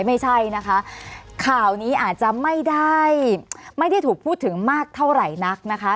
ไม่ใช่นะคะข่าวนี้อาจจะไม่ได้ไม่ได้ถูกพูดถึงมากเท่าไหร่นักนะคะ